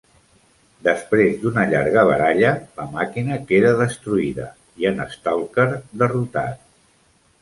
Després d'una llarga baralla, la màquina queda destruïda i en Stalker derrotat.